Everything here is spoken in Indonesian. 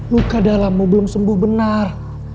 luka dalammu belum sembuh benar